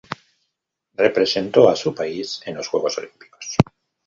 Represento a su país en los Juegos Olímpicos.